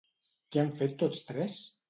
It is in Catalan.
Què han fet tots tres?